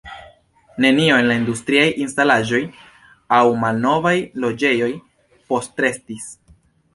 Nenio el la industriaj instalaĵoj aŭ malnovaj loĝejoj postrestis.